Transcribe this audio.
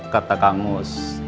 kata kang mus